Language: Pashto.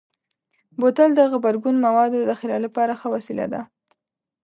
بوتل د غبرګون موادو ذخیره لپاره ښه وسیله ده.